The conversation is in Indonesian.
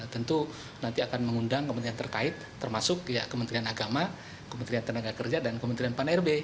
tentu nanti akan mengundang kementerian terkait termasuk ya kementerian agama kementerian tenaga kerja dan kementerian pan rb